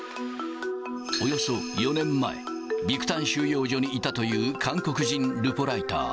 およそ４年前、ビクタン収容所にいたという韓国人ルポライター。